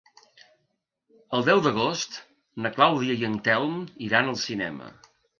El deu d'agost na Clàudia i en Telm iran al cinema.